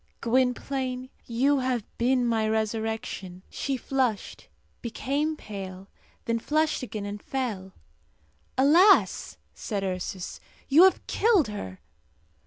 Gwynplaine, you have been my resurrection." She flushed, became pale, then flushed again, and fell. "Alas!" said Ursus, "you have killed her."